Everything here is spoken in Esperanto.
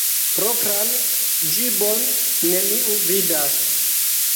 Propran ĝibon neniu vidas.